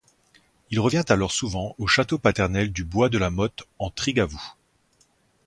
Il revient alors souvent au château paternel du Bois de la Motte en Trigavou.